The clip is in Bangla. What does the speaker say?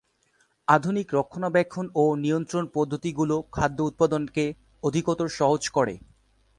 আধুনিক রক্ষণাবেক্ষণ ও নিয়ন্ত্রণ পদ্ধতিগুলো খাদ্য উৎপাদনকে অধিকতর সহজ করে।